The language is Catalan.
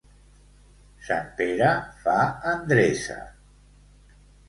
Sant Pere fa endreça.